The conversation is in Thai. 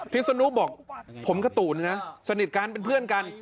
ศนุบอกผมกับตู่นี่นะสนิทกันเป็นเพื่อนกัน